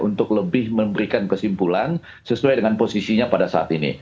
untuk lebih memberikan kesimpulan sesuai dengan posisinya pada saat ini